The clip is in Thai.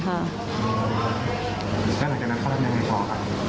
ก็หลังจากนั้นเขาทำยังไงก่อน